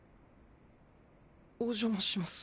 お邪魔します。